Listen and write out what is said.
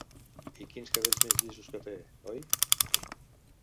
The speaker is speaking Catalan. I quins cabells més llisos que té, oi?